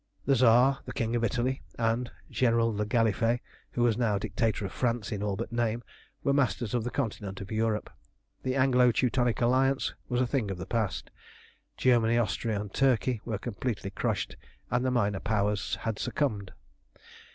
The Tsar, the King of Italy, and General le Gallifet, who was now Dictator of France in all but name, were masters of the continent of Europe. The Anglo Teutonic Alliance was a thing of the past. Germany, Austria, and Turkey were completely crushed, and the minor Powers had succumbed.